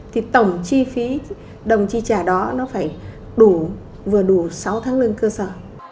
thì tổng chi phí đồng chi trả đó nó phải đủ vừa đủ sáu tháng lương cơ sở